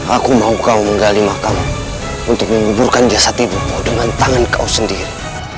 aku mau kau menggali makam untuk menguburkan jasad ibu dengan tangan kau sendiri